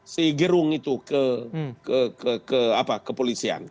si gerung itu ke ke apa kepolisian